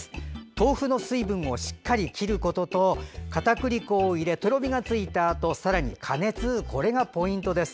豆腐の水分をしっかり切ることとかたくり粉を入れとろみがついたあとさらに加熱、これがポイントです。